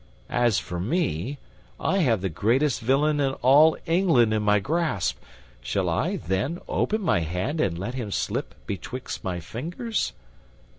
As for me, I have the greatest villain in all England in my grasp; shall I, then, open my hand and let him slip betwixt my fingers?